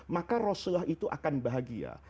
maka rasulullah itu akan bahagia